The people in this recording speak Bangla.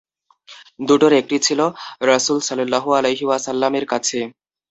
দুটোর একটি ছিল রাসূল সাল্লাল্লাহু আলাইহি ওয়াসাল্লাম-এর কাছে।